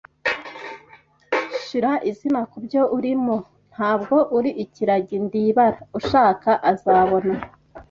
“Shira izina kubyo urimo; ntabwo uri ikiragi, ndibara. Ushaka azabona